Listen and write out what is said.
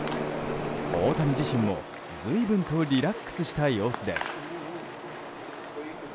大谷自身も随分とリラックスした様子です。